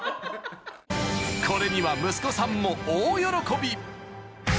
［これには息子さんも大喜び］